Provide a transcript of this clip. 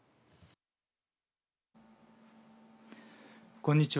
こんにちは。